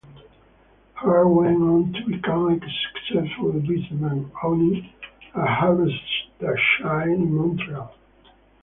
Hern went on to become a successful businessman, owning a haberdashery in Montreal.